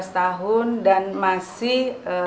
sebelas tahun dan masih